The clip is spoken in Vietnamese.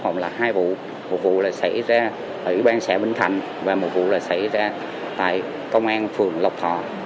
còn là hai vụ một vụ xảy ra ở ủy ban xã bình thành và một vụ xảy ra tại công an phường lộc thọ